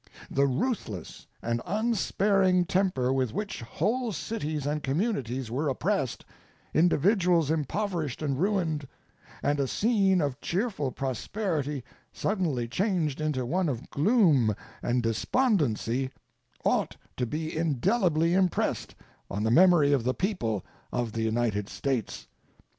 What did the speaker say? The ruthless and unsparing temper with which whole cities and communities were oppressed, individuals impoverished and ruined, and a scene of cheerful prosperity suddenly changed into one of gloom and despondency ought to be indelibly impressed on the memory of the people of the United States.